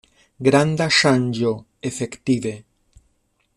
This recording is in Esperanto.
Granda ŝanĝo, efektive.